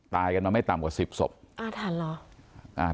ตายกันมาไม่ต่ำกว่าสิบศพอาถรรพ์เหรออ่า